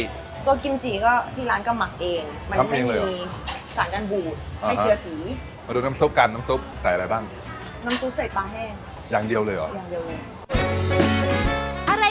ตัวกิมจิที่ร้านก็หมักเองมันไม่มีสั่งกันบูดไม่เจือสี